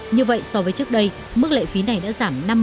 như vậy so với trước đây mức lệ phí này đã giảm